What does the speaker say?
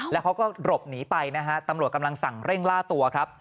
แล้วเขาก็หลบหนีไปนะฮะตำรวจกำลังสั่งเร่งล่าตัวครับ